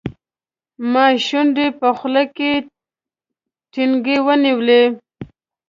ما شونډې په خوله کې ټینګې ونیولې.